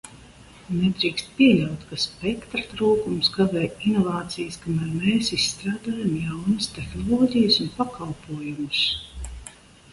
Nedrīkst pieļaut, ka spektra trūkums kavē inovācijas, kamēr mēs izstrādājam jaunas tehnoloģijas un pakalpojumus.